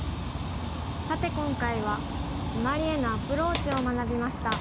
さて今回はシマリへのアプローチを学びました。